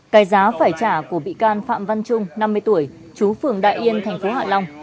cái giá phải trả của bị can phạm văn trung năm mươi tuổi chú phường đại yên thành phố hạ long